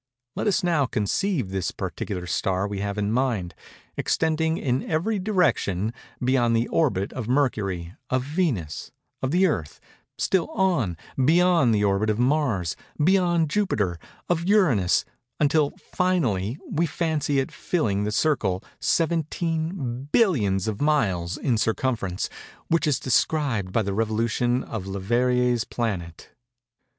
Let us now conceive the particular star we have in mind, extending, in every direction, beyond the orbit of Mercury—of Venus—of the Earth:—still on, beyond the orbit of Mars—of Jupiter—of Uranus—until, finally, we fancy it filling the circle—17 billions of miles in circumference—which is described by the revolution of Leverrier's planet.